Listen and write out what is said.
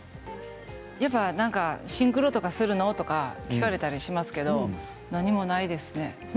やっぱりシンクロとかするの？とか聞かれたりしますけど何もないですね。